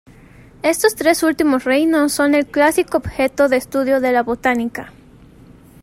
Estos tres últimos Reinos son el clásico objeto de estudio de la botánica.